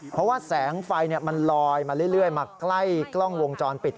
เพราะว่าแสงไฟมันลอยมาเรื่อยมาใกล้กล้องวงจรปิด